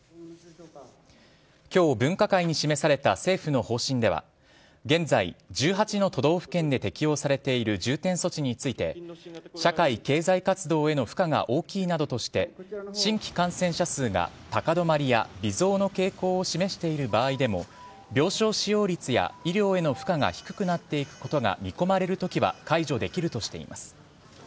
今日分科会に示された政府の方針では現在、１８の都道府県で適用されている重点措置について社会経済活動への負荷が大きいなどとして新規感染者数が高止まりや微増の傾向を示している場合でも病床使用率や医療への負荷が低くなっていくことが見込まれるときは解除できるとしています。